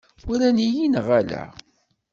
Walan-iyi neɣ ala?